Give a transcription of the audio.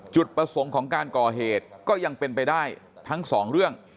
จุดประสงค์ของการก่อเหตุก็ยังเป็นไปได้ทั้งสองเรื่อง